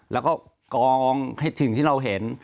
แล้วก็กองถึงที่เราเห็น